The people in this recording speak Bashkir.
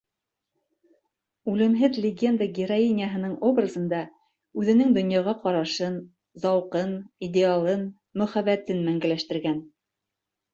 Үлемһеҙ легенда героиняһының образында үҙенең донъяға ҡарашын, зауҡын, идеалын, мөхәббәтен мәңгеләштергән.